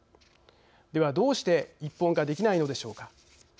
では、どうして一本化できないのでしょうか。